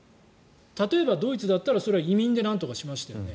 例えば、ドイツだったらそれは移民でなんとかしましたよね。